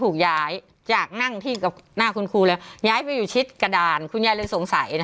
กับหน้าคุณครูแล้วย้ายไปอยู่ชิดกระดานคุณย้ายเลยสงสัยนะ